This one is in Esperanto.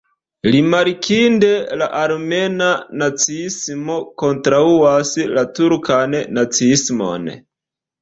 Rimarkinde, la armena naciismo kontraŭas la turkan naciismon.